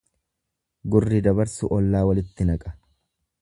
Gurri dabarsu ollaa walitti naqa.